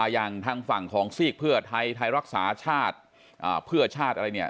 อย่างทางฝั่งของซีกเพื่อไทยไทยรักษาชาติเพื่อชาติอะไรเนี่ย